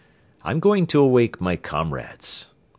I'm going to awake my 'comrades.